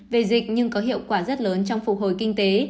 về dịch nhưng có hiệu quả rất lớn trong phục hồi kinh tế